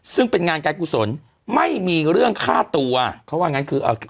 ซึ่งเป็นงานกาศิกษ์กุศลไม่มีเรื่องค่าตัวเขาว่าอย่างนั้นคือเอา